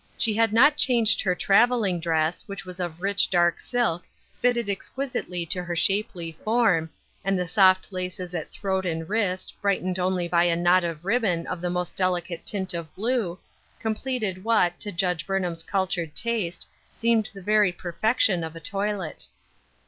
She had not changed her travelling dress, which was of rich dark silk, fitted exquisitely to her shapely form, and the soft laces at throat and wrist, brightened only by a knot of ribbon of the most delicate tint of blue, completed what, to Judge Burn ham's cultured taste, seemed the very perfection of a toilet.